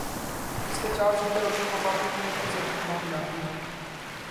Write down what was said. اس کے چار صوبے اور کچھ وفاقی حکومت کے زیر انتظام علاقے ہیں